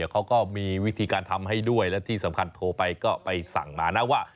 เขาก็มีวิธีการทำให้ด้วยและที่สำคัญโทรไปก็ไปสั่งมานะว่า